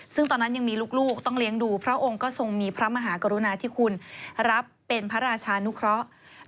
ซึ่งตอนนั้นยังมีลูกต้องเลี้ยงดูพระองค์ก็ทรงมีพระมหากรุณาธิคุณรับเป็นพระราชานุเคราะห์